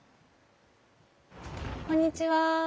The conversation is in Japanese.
こんにちは。